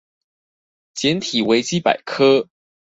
檢體維基百科